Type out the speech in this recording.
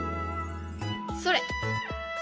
それ！